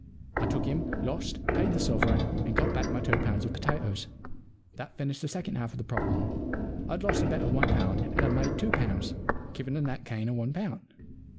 I took him, lost, paid the sovereign, and got back my two pounds of potatoes. That finished the second half of the problem. I'd lost a bet of one pound, and had made two pounds, giving a net gain of one pound.